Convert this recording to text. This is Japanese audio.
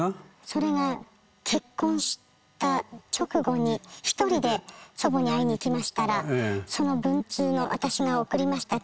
それが結婚した直後に一人で祖母に会いに行きましたらその文通の私が送りました